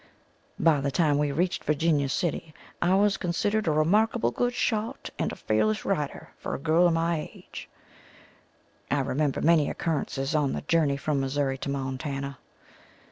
By the time we reached Virginia City I was considered a remarkable good shot and a fearless rider for a girl of my age. I remember many occurrences on the journey from Missourri to Montana.